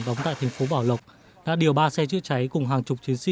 đóng tại thành phố bảo lộc đã điều ba xe chữa cháy cùng hàng chục chiến sĩ